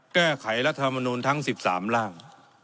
แก้ไขรัฐมนุนทั้ง๑๓ร่าง